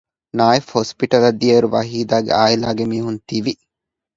ނާއިފް ހޮސްޕިޓަލަށް ދިޔައިރު ވަހީދާގެ އާއިލާގެ މީހުން ތިވި